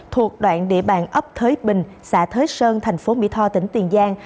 thuộc đoạn địa bàn ấp thới bình xã thới sơn thành phố mỹ tho tỉnh tiền giang